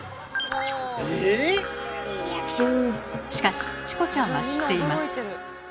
え⁉しかしチコちゃんは知っています。